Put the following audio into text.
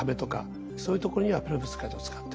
そういうところにはペロブスカイトを使ってく。